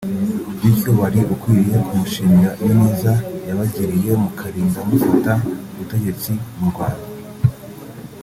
bityo wari ukwiriye kumushimira iyo neza yabagiriye mukarinda mufata ubutegetsi mu Rwanda